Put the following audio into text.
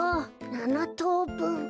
７とうぶん。